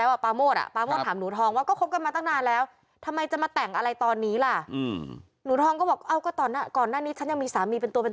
เออจะตีตัวออกห่างเขามีคนอื่นใช่ไหมล่ะ